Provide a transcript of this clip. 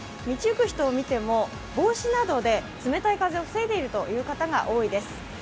道行く人を見ても帽子などで冷たい風を防いでいる人が多いです。